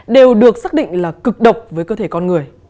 đều được xác định là cực độc với cơ thể con người